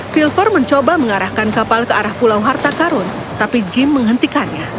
silver mencoba mengarahkan kapal ke arah pulau harta karun tapi gym menghentikannya